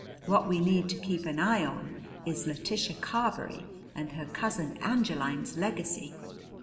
What we need to keep an eye on is Letitia Carberry and her Cousin Angeline's legacy."